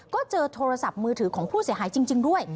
ก็เจอโทรศัพท์มือถือของผู้เสียหายจริงด้วย